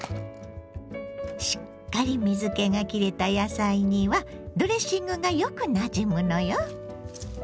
しっかり水けがきれた野菜にはドレッシングがよくなじむのよ。